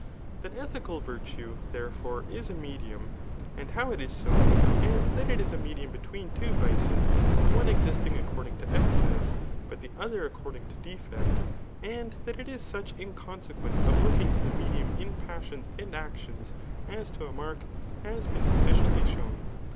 That ethical virtue, therefore, is a medium, and how it is so, and that it is a medium between two vices, the one existing according to excess, but the other according to defect, and that it is such in consequence of looking to the medium in passions and actions as to a mark, has been sufficiently shown.